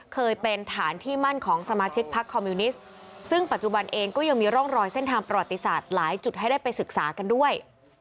เคยเป็นฐานที่มั่นของสมาชิกพักคอมมิวนิสต์ซึ่งปัจจุบันเองก็ยังมีร่องรอยเส้นทางประวัติศาสตร์หลายจุดให้ได้ไปศึกษากันด้วย